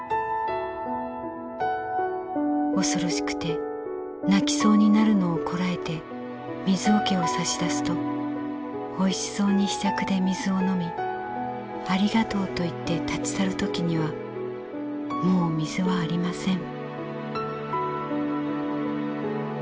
「恐ろしくて泣きそうになるのをこらえて水桶を差し出すとおいしそうにひしゃくで水を飲みありがとうと言って立ち去るときにはもう水はありません」。